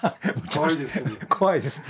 怖いですね。